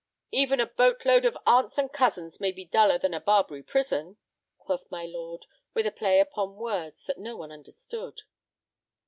"Even a boat load of aunts and cousins may be duller than a Barbary prison," quoth my lord, with a play upon words that no one understood.